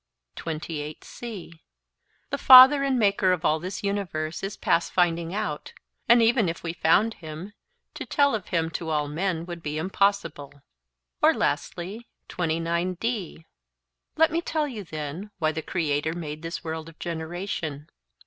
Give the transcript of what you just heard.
'The father and maker of all this universe is past finding out; and even if we found him, to tell of him to all men would be impossible.' 'Let me tell you then why the Creator made this world of generation.